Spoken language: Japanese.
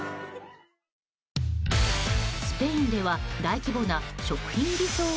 スペインでは大規模な食品偽装？